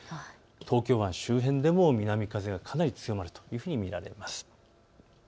東京湾周辺でも南風がかなり強まると見られます。